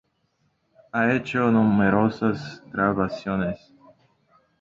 Ha hecho numerosas grabaciones.